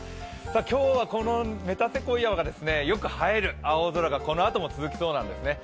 今日はこのメタセコイアがよく映える青空が、このあとも続きそうなんですね。